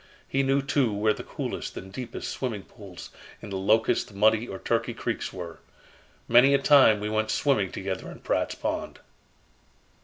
He knew, too, where the coolest and deepest swimming pools in the Locust, Muddy, or Turkey creeks were. Many a time we went swimming together in Pratt's Pond."